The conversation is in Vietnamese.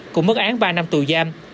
cũng mức án ba năm tù giam